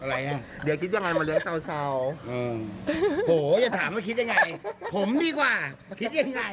อะไรฮะเดี๋ยวคิดยังไงมาเลี้ยสาวอืมโหอย่าถามว่าคิดยังไงผมดีกว่าคิดยังไง